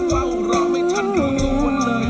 ว่าจ้าฉันหนุ่มด้วยหายไหม้